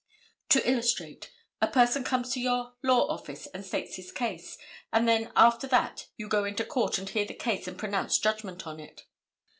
To illustrate: A person comes to your law office and states his case, and then after that you go into court to hear the case and pronounce judgment on it."